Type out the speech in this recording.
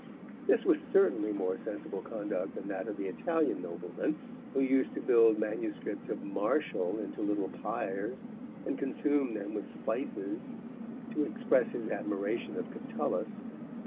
This was certainly more sensible conduct than that of the Italian nobleman, who used to build MSS. of Martial into little pyres, and consume them with spices, to express his admiration of Catullus.